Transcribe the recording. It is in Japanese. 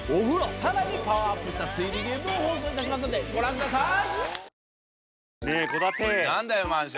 さらにパワーアップした推理ゲームを放送いたしますのでご覧ください！